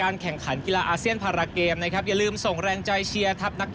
ยิงปืน๒เหรียญทอง